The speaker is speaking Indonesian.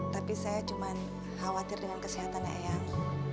tapi saya cuma khawatir dengan kesehatan eang